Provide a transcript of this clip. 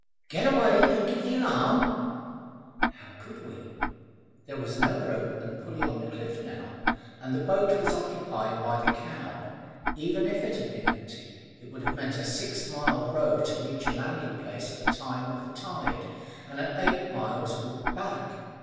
"Get away, and give the alarm?" How could we? There was no rope and pulley up on the cliff now, and the boat was occupied by the cow; while, even if it had been empty, it would have meant a six mile row to reach a landing place at that time of the tide, and an eight miles' walk back.